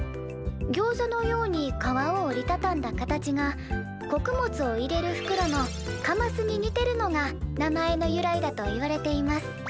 ギョーザのように皮を折りたたんだ形が穀物を入れるふくろのかますに似てるのが名前の由来だといわれています。